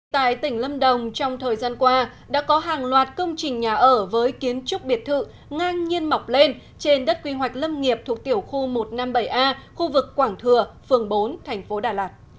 tại tỉnh lâm đồng trong thời gian qua đã có hàng loạt công trình nhà ở với kiến trúc biệt thự ngang nhiên mọc lên trên đất quy hoạch lâm nghiệp thuộc tiểu khu một trăm năm mươi bảy a khu vực quảng thừa phường bốn thành phố đà lạt